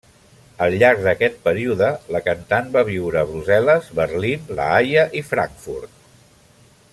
Al llarg d'aquest període la cantant va viure a Brussel·les, Berlín, La Haia i Frankfurt.